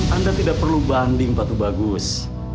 anda tidak perlu banding pak tuh bagus